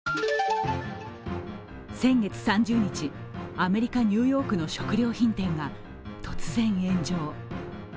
先月３０日、アメリカ・ニューヨークの食料品店が突然炎上。